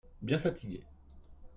Bien fatigué.